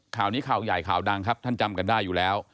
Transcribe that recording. ข่าวนี้ข่าวใหญ่ข่าวดังครับท่านจำกันได้อยู่แล้ว